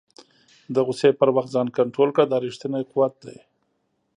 د غوسې پر وخت ځان کنټرول کړه، دا ریښتنی قوت دی.